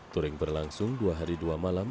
touring berlangsung dua hari dua malam